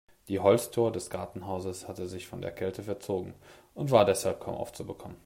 Die Holztür des Gartenhauses hatte sich von der Kälte verzogen und war deshalb kaum aufzubekommen.